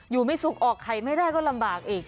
อยู่ไม่สุกออกไข่ไม่ได้ก็ลำบากอีก